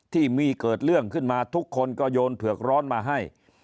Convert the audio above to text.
ที่มีเกิดเรื่องขึ้นมาทุกคนก็โยนเผือกร้อนมาให้